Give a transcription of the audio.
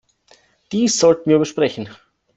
Dies sollten wir besprechen.